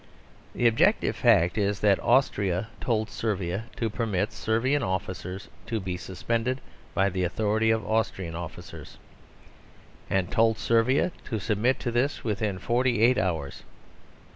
The objective fact is that Austria told Servia to permit Servian officers to be suspended by the authority of Austrian officers, and told Servia to submit to this within forty eight hours.